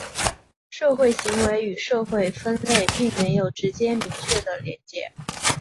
社会行为与社会分类并没有直接明确的连结。